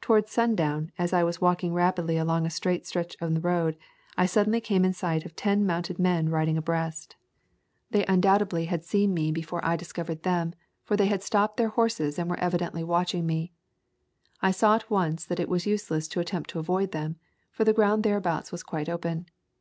Towards sun down, as I was walking rapidly along a straight stretch in the road, I suddenly came in sight of ten mounted men riding abreast. They un [ 27 ] A Thousand Mile Walk doubtedly had seen me before I discovered them, for they had stopped their horses and were evidently watching me. I saw at once that it was useless to attempt to avoid them, for the ground thereabout was quite open.